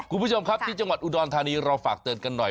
คุณผู้ชมครับที่จังหวัดอุดรธานีเราฝากเตือนกันหน่อย